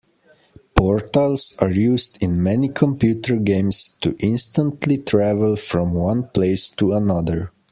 Portals are used in many computer games to instantly travel from one place to another.